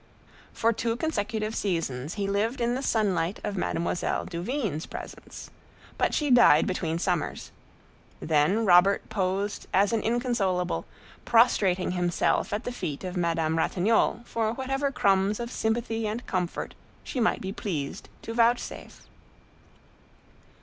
For two consecutive seasons he lived in the sunlight of Mademoiselle Duvigne's presence. But she died between summers; then Robert posed as an inconsolable, prostrating himself at the feet of Madame Ratignolle for whatever crumbs of sympathy and comfort she might be pleased to vouchsafe.